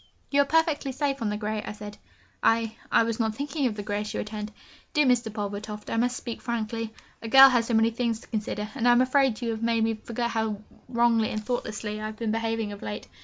'You are perfectly safe on the grey,' I said. 'I I was not thinking of the grey,' she returned. 'Dear Mr. Pulvertoft, I must speak frankly a girl has so many things to consider, and I am afraid you have made me forget how wrongly and thoughtlessly I have been behaving of late.